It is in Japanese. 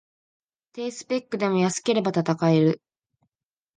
低スペックでも安ければ戦える